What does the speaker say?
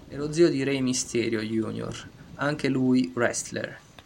È lo zio di Rey Mysterio jr., anche lui wrestler.